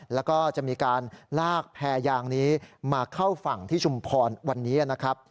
แล้วก็จะมีการลากแพรยางนี้มาเข้าฝั่งที่ชุมพรวันนี้นะครับ